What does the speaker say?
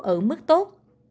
ở mức tốt